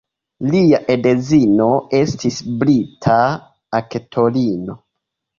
Lia edzino estis brita aktorino.